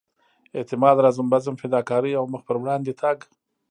اعتماد رزم بزم فداکارۍ او مخ پر وړاندې تګ.